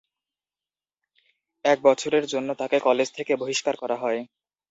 এক বছরের জন্য তাঁকে কলেজ থেকে বহিষ্কার করা হয়।